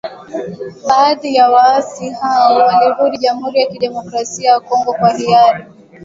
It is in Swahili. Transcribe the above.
Baadhi ya waasi hao walirudi Jamhuri ya kidemokrasia ya Kongo kwa hiari.